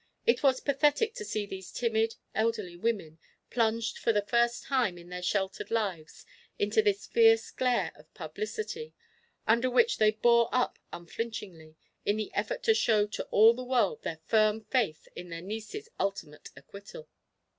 It was pathetic to see these timid, elderly women, plunged for the first time in their sheltered lives into this fierce glare of publicity, under which they bore up unflinchingly, in the effort to show to all the world their firm faith in their niece's ultimate acquittal.